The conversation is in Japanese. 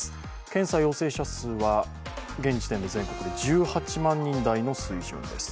検査陽性者数は現時点で全国で１８万人台の水準です。